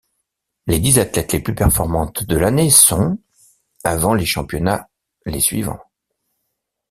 Les dix athlètes les plus performantes de l'année sont, avant les championnats les suivants.